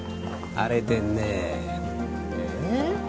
荒れてんねーえ？